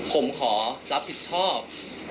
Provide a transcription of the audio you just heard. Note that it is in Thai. ผมขอรับผิดชอบ